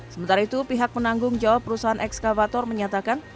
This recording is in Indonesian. sementara itu pihak penanggung jawab perusahaan ekskavator menyatakan